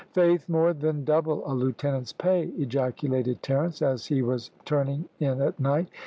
"Faith! more than double a lieutenant's pay," ejaculated Terence, as he was turning in at night.